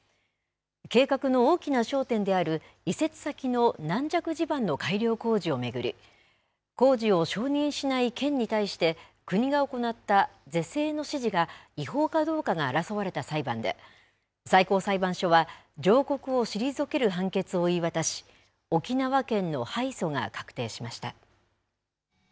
計画の大きな焦点である移設先の軟弱地盤の改良工事を巡り、工事を承認しない県に対して、国が行った是正の指示が違法かどうかが争われた裁判で、最高裁判所は、上告を退ける判決を言い渡し、沖縄県の敗訴が確定しました。